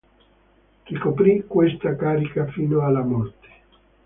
Ricoprì questa carica fino alla morte.